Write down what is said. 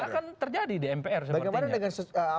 akan terjadi di mpr sepertinya